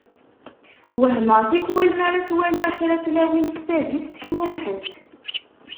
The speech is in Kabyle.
Wehmeɣ tikwal mi ara ttwaliɣ kra n tlawin s tadist cmumḥent.